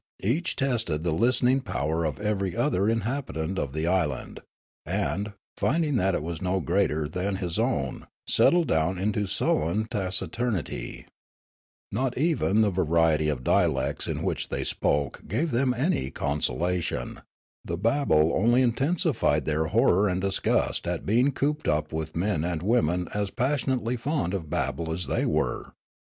Each tested the listening power of every other inhabitant of the island, and, finding that it was no greater than his own, settled down into sullen taciturnit3^ Not even the variety of dialects in which they spoke gave them anj^ consolation ; the babel only intensified their horror and disgust at being cooped up with men and women as passionately fond of babble as they were.